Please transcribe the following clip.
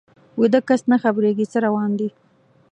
ویده کس نه خبریږي څه روان دي